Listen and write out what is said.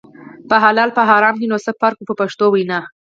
په حلال او په حرام کې نه څه فرق و په پښتو وینا.